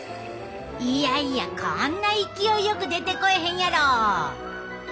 いやいやこんな勢いよく出てこえへんやろ！